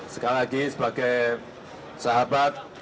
sekali lagi sebagai sahabat